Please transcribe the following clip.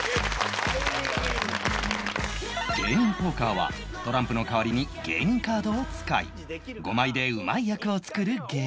芸人ポーカーはトランプの代わりに芸人カードを使い５枚でうまい役を作るゲーム